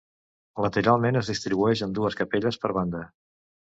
Lateralment es distribueix en dues capelles per banda.